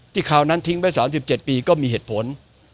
คราวนั้นทิ้งไว้๓๗ปีก็มีเหตุผล